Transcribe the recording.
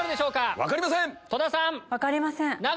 分かりません。